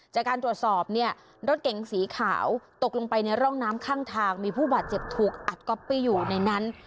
จากการตรวจสอบเนี่ยรถเก๋งสีขาวตกลงไปในร่องน้ำข้างทางมีผู้บาดเจ็บถูกอัดก๊อปปี้อยู่ในนั้น